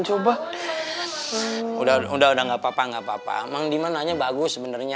coba udah udah udah nggak papa nggak papa mandiman nanya bagus sebenarnya